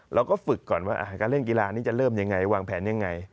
เราก็ฝึกก่อนว่าการเล่นกีฬานี้จะเริ่มยังไงวางแผนยังไง